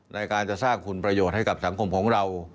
ในการจะสร้างคุณประโยชน์ให้กับสังคมของเรา